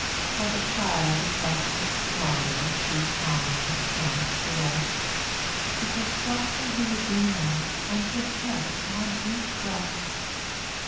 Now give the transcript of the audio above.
Like a child oppressed with slumber, She calmly sank to rest, With her trust in her Redeemer, And her head upon his breast.